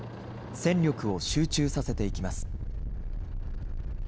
戦力を集中させていきます。